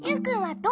どう？